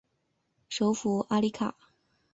首府阿里卡。